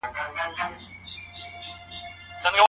ایا ژبه اړیکې نږدې کوي؟